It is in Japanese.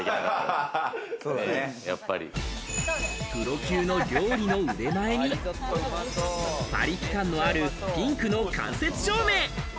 プロ級の料理の腕前に、パリピ感のあるピンクの間接照明。